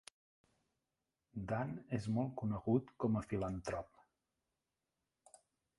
Dan és molt conegut com a filantrop.